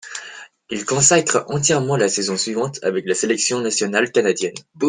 Il consacre entièrement la saison suivante avec la sélection nationale canadienne.